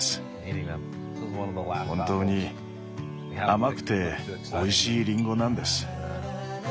本当に甘くておいしいリンゴなんです。